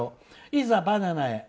いざバナナへ。